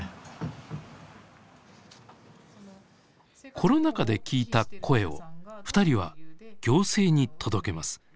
コロナ禍で聞いた声をふたりは行政に届けます。